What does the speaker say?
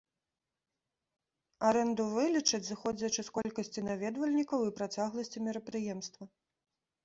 Арэнду вылічаць, зыходзячы з колькасці наведвальнікаў і працягласці мерапрыемства.